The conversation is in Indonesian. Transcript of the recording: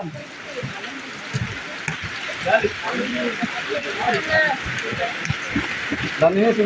dan ini sungai desa long sule